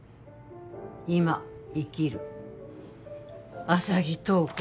「今生きる浅葱塔子」